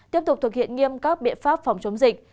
tiếp tục thực hiện nghiêm các biện pháp phòng chống dịch